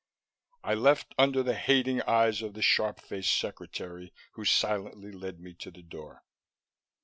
I left under the hating eyes of the sharp faced secretary who silently led me to the door.